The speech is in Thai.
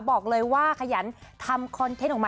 บอกเลยว่าขยันทำคอนเทนต์ออกมา